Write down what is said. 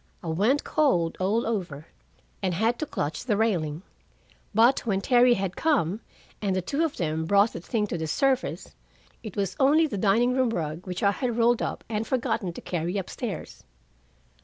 I went cold all over, and had to clutch the railing. But when Terry had come, and the two of them brought the thing to the surface, it was only the dining room rug, which I had rolled up and forgotten to carry up stairs!